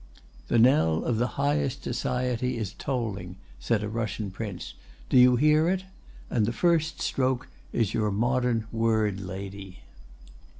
"The knell of the highest society is tolling," said a Russian Prince. "Do you hear it? And the first stroke is your modern word lady."